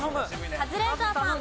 カズレーザーさん。